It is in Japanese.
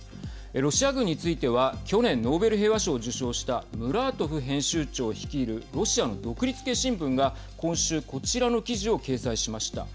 ロシア軍については去年ノーベル平和賞を受賞したムラートフ編集長率いるロシアの独立系新聞が今週こちらの記事を掲載しました。